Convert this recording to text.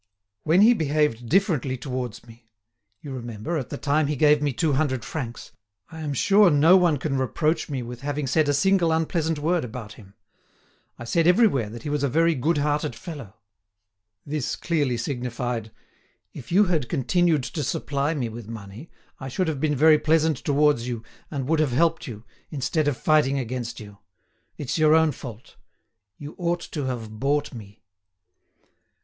When he behaved differently towards me—you remember, at the time he gave me two hundred francs—I am sure no one can reproach me with having said a single unpleasant word about him. I said everywhere that he was a very good hearted fellow." This clearly signified: "If you had continued to supply me with money, I should have been very pleasant towards you, and would have helped you, instead of fighting against you. It's your own fault. You ought to have bought me."